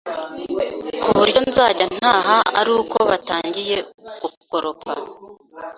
kuburyo nzajya ntaha aruko batangiye gukoropa